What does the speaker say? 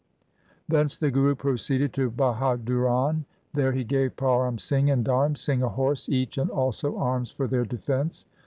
Thence the Guru proceeded to Bahaduran. There he gave Param Singh and Dharm Singh a horse each and also arms for their defence.